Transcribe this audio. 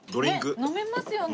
ねっ飲めますよね。